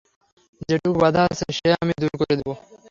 যেটুকু বাধা আছে সে আমি দূর করে দেব।